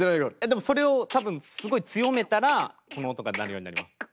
でもそれをたぶんすごい強めたらこの音が鳴るようになります。